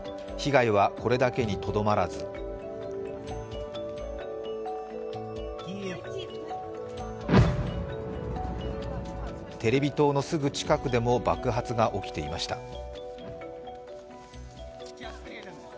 被害はこれだけにとどまらずテレビ塔のすぐ近くでも爆発が起きていました。